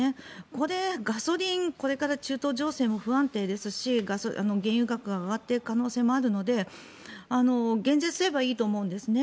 これ、ガソリンこれから中東情勢も不安定ですし原油価格が上がっていく可能性もあるので減税すればいいと思うんですね。